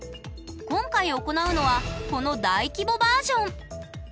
今回行うのはこの大規模バージョン！